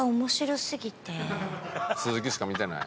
鈴木しか見てない？